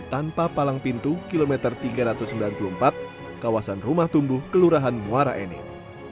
tanpa palang pintu kilometer tiga ratus sembilan puluh empat kawasan rumah tumbuh kelurahan muara enim